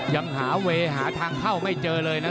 ยังหาเวย์หาทางเข้าไม่เจอเลยนะ